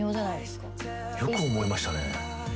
よく思いましたね。